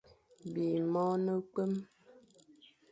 Bî môr ne-kwém.